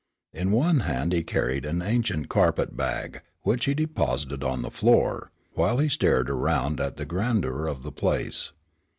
In one hand he carried an ancient carpetbag, which he deposited on the floor, while he stared around at the grandeur of the place.